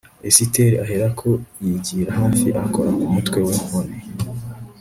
Esiteri aherako yigira hafi akora ku mutwe w inkoni